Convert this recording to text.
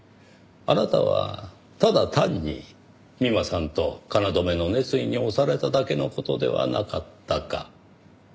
あなたはただ単に美馬さんと京の熱意に押されただけの事ではなかったか。